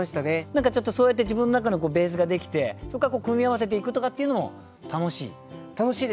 何かちょっとそうやって自分の中のベースができてそっから組み合わせていくとかっていうのも楽しい？